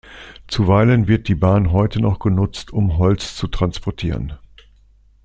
Zuweilen wird die Bahn heute noch genutzt, um Holz zu transportieren.